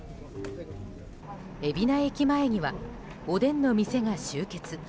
海老名駅前にはおでんの店が集結。